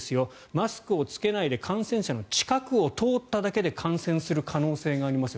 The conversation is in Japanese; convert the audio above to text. マスクを着けないで感染者の近くを通っただけで感染する可能性がありますよと。